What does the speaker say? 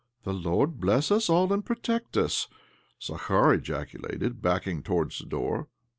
' The Lord bless us all and protect us I " Zakhar ejaculated, backing towards the door.